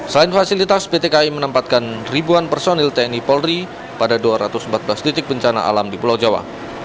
selain fasilitas pt kai menempatkan ribuan personil tni polri pada dua ratus empat belas titik bencana alam di pulau jawa